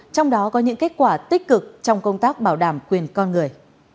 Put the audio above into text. trong đó có những kết quả tích cực trong công tác bảo đảm quyền con người